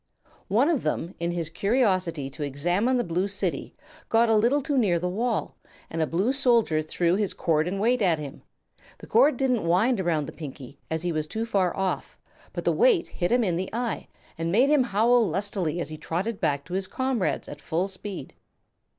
One of them, in his curiosity to examine the Blue City, got a little too near the wall, and a blue soldier throw his cord and weight at him. The cord didn't wind around the Pinkie, as he was too far off, but the weight hit him in the eye and made him howl lustily as he trotted back to his comrades at full speed.